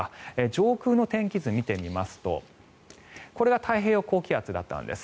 上空の天気図を見てみますとこれが太平洋高気圧だったんです。